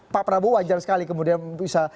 pak prabowo wajar sekali kemudian bisa